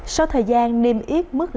sau thời gian niêm yếp mức lãi huyền